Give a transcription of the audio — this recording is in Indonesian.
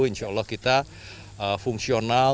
insya allah kita fungsional